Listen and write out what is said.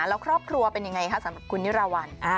แล้วครอบครัวเป็นยังไงคะสำหรับคุณนิราวัล